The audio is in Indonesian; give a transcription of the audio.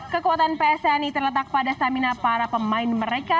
kekuatan ps tni terletak pada stamina para pemain mereka